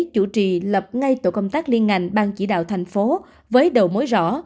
chủ trì lập ngay tổ công tác liên ngành bang chỉ đạo thành phố với đầu mối rõ